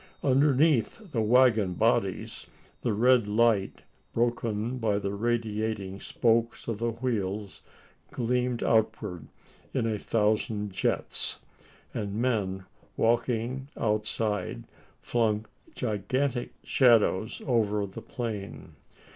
Underneath the waggon bodies, the red light, broken by the radiating spokes of the wheels, gleamed outward in a thousand jets; and men walking outside, flung gigantic shadows over the plain.